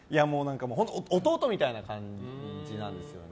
本当に弟みたいな感じなんですよね。